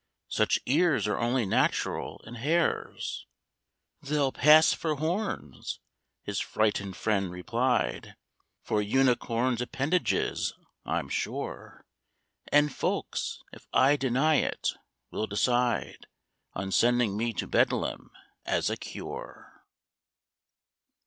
Such ears are only natural in Hares." "They'll pass for horns," his frightened friend replied; "For Unicorn's appendages, I'm sure. And folks, if I deny it, will decide On sending me to Bedlam, as a cure."